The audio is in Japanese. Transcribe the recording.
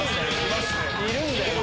いるんだよなぁ。